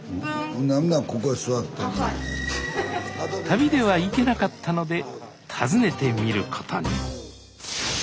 旅では行けなかったので訪ねてみることに。